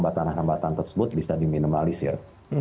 sehingga hambatan hambatan tersebut bisa diminimalis ya